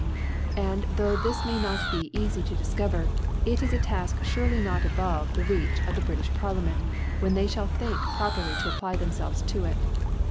And though this may not be eafy to difcovcr, it is a Tafk iurely not above the Reach of the Britijb Parliament, when they fhall think proper to apply themfelves to it.